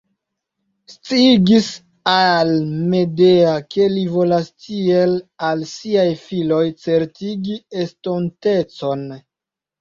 Sciigis al Medea, ke li volas tiel al siaj filoj certigi estontecon.